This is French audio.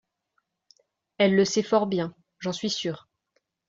Elle le sait fort bien, j’en suis sure.